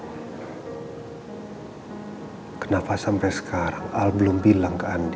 hai kenapa sampai sekarang al belum bilang ke andi